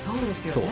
そう。